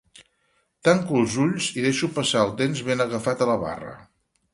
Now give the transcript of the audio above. Tanco els ulls i deixo passar el temps ben agafat a la barra.